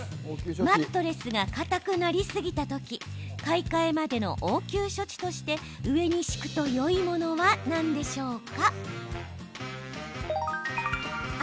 マットレスがかたくなりすぎた時買い替えまでの応急処置として上に敷くといいものは何でしょうか？